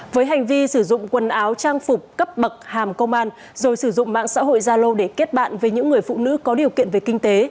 với hành vi sử dụng quần áo trang phục cấp bậc hàm công an rồi sử dụng mạng xã hội zalo để kết bạn với những người phụ nữ có điều kiện về kinh tế